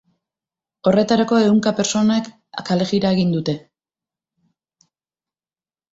Horretarako, ehunka pertsonak kalejira egin dute.